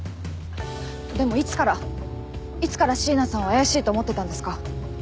でもいつからいつから椎名さんを怪しいと思ってたんですか？